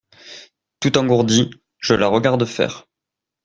Tout engourdie, je la regarde faire.